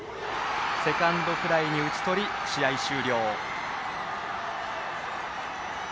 セカンドフライに打ち取り試合終了。